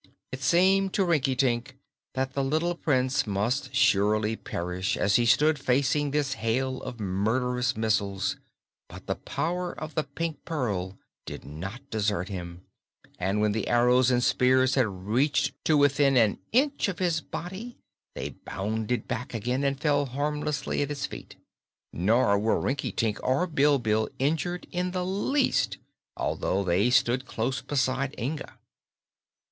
It seemed to Rinkitink that the little Prince must surely perish as he stood facing this hail of murderous missiles; but the power of the Pink Pearl did not desert him, and when the arrows and spears had reached to within an inch of his body they bounded back again and fell harmlessly at his feet. Nor were Rinkitink or Bilbil injured in the least, although they stood close beside Inga.